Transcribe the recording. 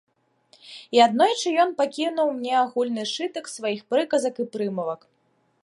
І аднойчы ён пакінуў мне агульны сшытак сваіх прыказак і прымавак.